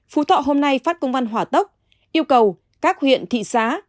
phú thọ hôm nay phát công văn hỏa tốc yêu cầu các huyện thị xã